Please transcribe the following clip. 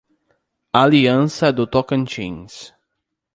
Aliança do Tocantins